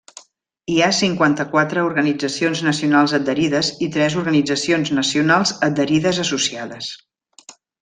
Hi ha cinquanta-quatre organitzacions nacionals adherides i tres organitzacions nacionals adherides associades.